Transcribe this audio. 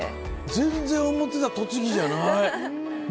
全然思ってた栃木じゃない。